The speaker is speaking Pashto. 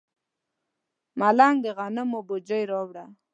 ملنګ د غنمو بوجۍ راوړه.